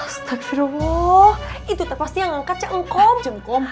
astagfirullah itu tak pasti yang ngangkat ceengkom